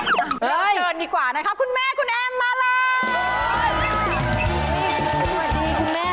เชิญดีกว่านะครับคุณแม่คุณแอมมาเลย